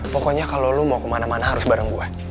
pokoknya kalau lo mau kemana mana harus bareng buat